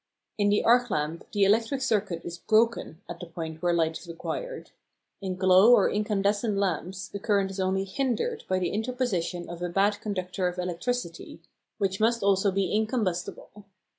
In the arc lamp the electric circuit is broken at the point where light is required. In glow or incandescent lamps the current is only hindered by the interposition of a bad conductor of electricity, which must also be incombustible.